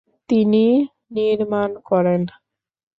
তিনি নির্মাণ করেন।